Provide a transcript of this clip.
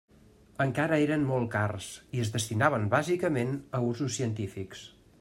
Encara eren molt cars, i es destinaven bàsicament a usos científics.